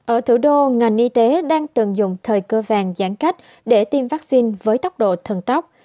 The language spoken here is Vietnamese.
ở thủ đô ngành y tế đang tận dụng thời cơ vàng giãn cách để tiêm vaccine với tốc độ thần tóc